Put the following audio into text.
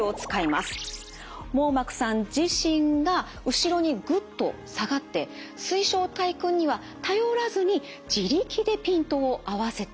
網膜さん自身が後ろにグッと下がって水晶体くんには頼らずに自力でピントを合わせてしまうんです。